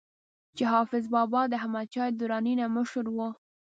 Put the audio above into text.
چې حافظ بابا د احمد شاه دراني نه مشر وو